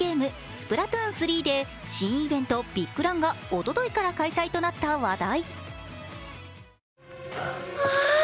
「スプラトゥーン３」で新イベントビッグランがおとといから開催となった話題。